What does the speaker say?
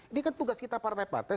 ini kan tugas kita partai partai